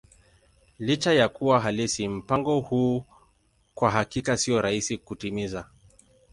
Licha ya kuwa halisi, mpango huu kwa hakika sio rahisi kutimiza.